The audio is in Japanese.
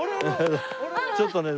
ちょっとね